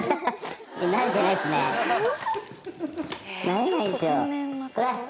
なれないんですよ。